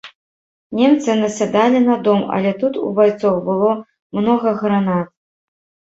Немцы насядалі на дом, але тут у байцоў было многа гранат.